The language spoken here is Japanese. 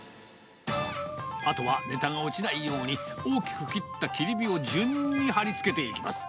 あとはねたが落ちないように、大きく切った切り身を順に貼り付けていきます。